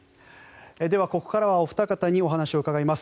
ではここからはお二方にお話を伺います。